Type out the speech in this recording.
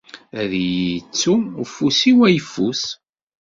Ad iyi-ittu ufus-iw ayeffus!